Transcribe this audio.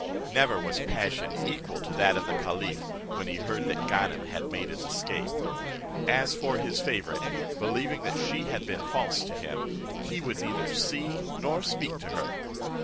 Never was passion equal to that of the caliph, when he heard that Ganem had made his escape. As for his favourite, believing that she had been false to him, he would neither see nor speak to her.